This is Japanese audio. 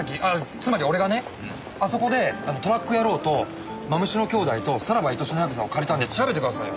つまり俺がねあそこで『トラック野郎』と『まむしの兄弟』と『さらば愛しのやくざ』を借りたんで調べてくださいよ。